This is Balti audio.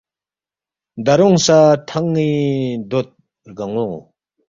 دارونگ سہ ٹھنگ ی دود رگانو